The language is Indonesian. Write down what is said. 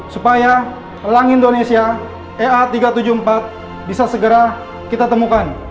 supaya lang indonesia ea tiga ratus tujuh puluh empat bisa segera kita temukan